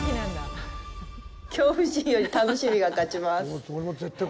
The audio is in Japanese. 恐怖心より楽しみが勝ちます。